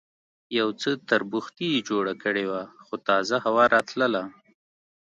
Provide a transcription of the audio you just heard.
یو څه تربوختي یې جوړه کړې وه، خو تازه هوا راتلله.